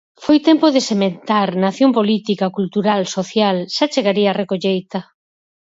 Foi tempo de sementar, na acción política, cultural, social; xa chegaría a recolleita.